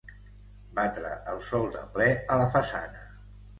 Batre el sol de ple a la façana.